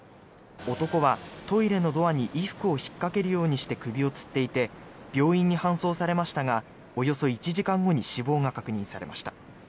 男はトイレのドアに衣服を引っかけるようにして首をつっていて病院に搬送されましたがおよそ１時間後に死亡が確認されました。